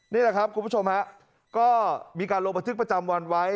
นี่แหละครับคุณผู้ชมฮะก็มีการลงบันทึกประจำวันไว้